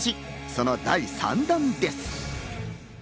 その第３弾です。